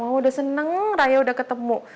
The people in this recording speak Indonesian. wah udah seneng raya udah ketemu